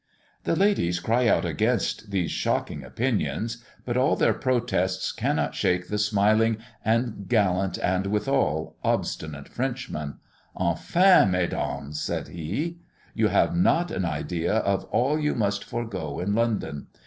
The ladies cry out against these shocking opinions; but all their protests cannot shake the smiling and gallant and withal obstinate Frenchman. "Enfin mes dames!" cried he, "you have not an idea of all you must forego in London.